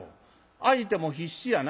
相手も必死やな。